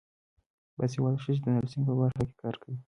باسواده ښځې د نرسنګ په برخه کې کار کوي.